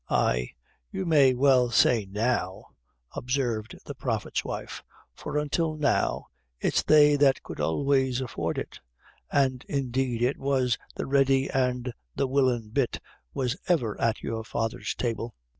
"Ay, you may well say 'now,'" observed the prophet's wife; "for until now, it's they that could always afford it; an' indeed it was the ready an' the willin' bit was ever at your father's table."